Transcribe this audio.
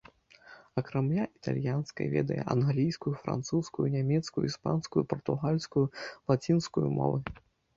Акрамя італьянскай, ведае англійскую, французскую, нямецкую, іспанскую, партугальскую, лацінскую мовы.